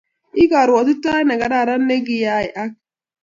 I karuatitaet ne karakaran ni ki ai ak